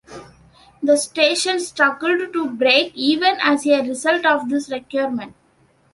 The station struggled to break even as a result of this requirement.